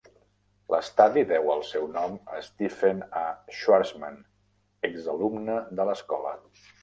L'estadi deu el seu nom a Stephen A. Schwarzman, exalumne de l'escola.